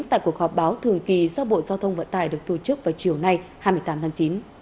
tại cuộc họp báo thường kỳ do bộ giao thông vận tải được tổ chức vào chiều nay hai mươi tám tháng chín